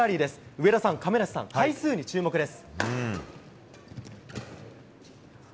上田さん、亀梨さん回数に注目です。